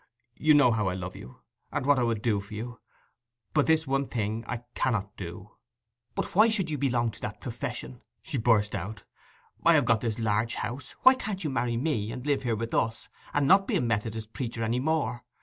You know how I love you, and what I would do for you; but this one thing I cannot do.' 'But why should you belong to that profession?' she burst out. 'I have got this large house; why can't you marry me, and live here with us, and not be a Methodist preacher any more?